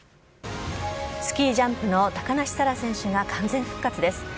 スキージャンプの高梨沙羅選手が完全復活です。